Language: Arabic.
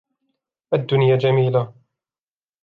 الدنيا جميلة.